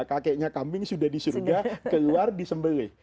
kakeknya kambing sudah di surga keluar di sembelih